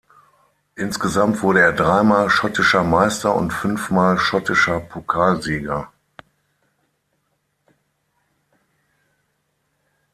Insgesamt wurde er dreimal schottischer Meister und fünfmal schottischer Pokalsieger.